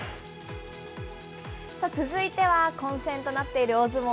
続いては、混戦となっている大相撲